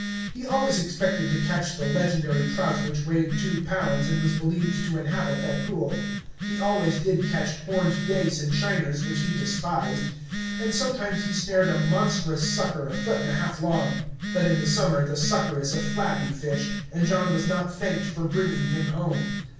He always expected to catch the legendary trout which weighed two pounds and was believed to inhabit that pool. He always did catch horned dace and shiners, which he despised, and sometimes he snared a monstrous sucker a foot and a half long. But in the summer the sucker is a flabby fish, and John was not thanked for bringing him home.